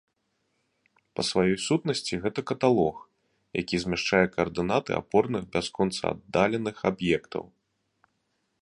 Па сваёй сутнасці гэта каталог, які змяшчае каардынаты апорных бясконца аддаленых аб'ектаў.